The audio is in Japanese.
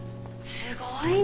すごいわ。